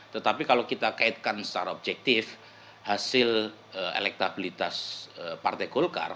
tetapi kalau kita kaitkan secara objektif hasil elektabilitas partai golkar